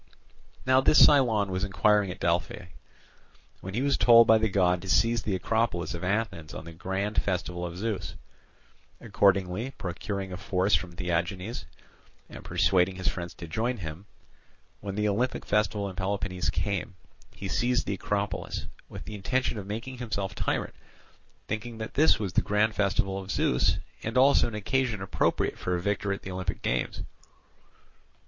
Now this Cylon was inquiring at Delphi; when he was told by the god to seize the Acropolis of Athens on the grand festival of Zeus. Accordingly, procuring a force from Theagenes and persuading his friends to join him, when the Olympic festival in Peloponnese came, he seized the Acropolis, with the intention of making himself tyrant, thinking that this was the grand festival of Zeus, and also an occasion appropriate for a victor at the Olympic games.